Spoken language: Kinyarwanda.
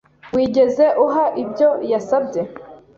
Wigeze uha ibyo yasabye?